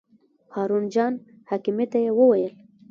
هارون جان حکیمي ته یې وویل.